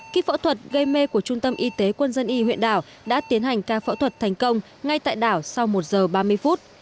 kỹ phẫu thuật gây mê của trung tâm y tế quân dân y huyện đảo đã tiến hành ca phẫu thuật thành công ngay tại đảo sau một giờ ba mươi phút